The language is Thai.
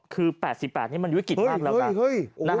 คือ๘๘นี่มันวิกฤตมากแล้วกัน